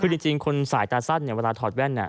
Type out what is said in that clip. คือจริงคนสายตาสั้นเนี่ยเวลาถอดแว่น